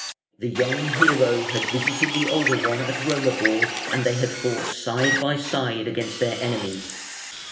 The young hero had visited the older one at Romaborg, and they had fought side by side against their enemies.